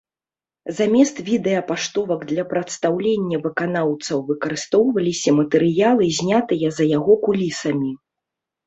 Замест відэапаштовак для прадстаўлення выканаўцаў выкарыстоўваліся матэрыялы, знятыя за яго кулісамі.